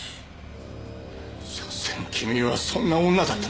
しょせん君はそんな女だったのか。